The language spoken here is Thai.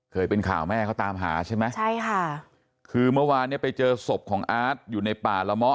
เคยเป็นข่าวแม่เขาตามหาใช่ไหมใช่ค่ะคือเมื่อวานเนี้ยไปเจอศพของอาร์ตอยู่ในป่าละเมาะ